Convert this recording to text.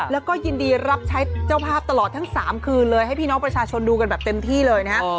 แล้วก็ยินดีรับใช้เจ้าภาพตลอดทั้ง๓คืนเลยให้พี่น้องประชาชนดูกันแบบเต็มที่เลยนะฮะ